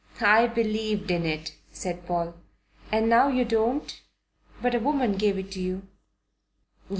"I believed in it," said Paul. "And now you don't? But a woman gave it to you."